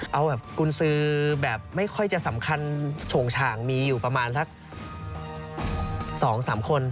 เอาแบบกุญสือแบบไม่ค่อยจะสำคัญโฉงฉ่างมีอยู่ประมาณสัก๒๓คน